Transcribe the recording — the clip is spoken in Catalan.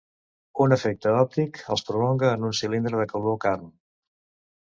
Un efecte òptic els prolonga en un cilindre de color carn.